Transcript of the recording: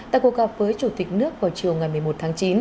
tại cuộc gặp với chủ tịch nước vào chiều ngày một mươi một tháng chín